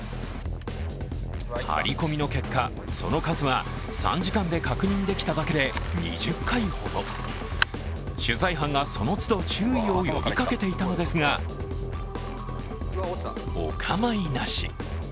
ハリコミの結果、その数は３時間で確認できただけで２０回ほど取材班がその都度注意を呼びかけていたのですがお構いなし。